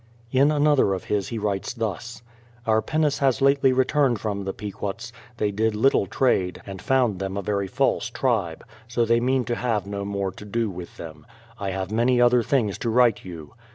In another of his he writes thus: Our pinnace has lately returned from the Pequots; they did little trade, and found them a very false tribe, so they mean to have no more to do with them. I have many other things to write you.